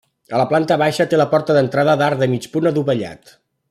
A la planta baixa té la porta d'entrada d'arc de mig punt adovellat.